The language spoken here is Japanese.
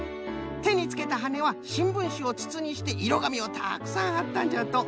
てにつけたはねはしんぶんしをつつにしていろがみをたくさんはったんじゃと。